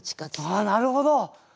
なるほど。